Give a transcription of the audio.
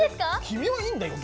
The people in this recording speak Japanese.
君はいいんだよ。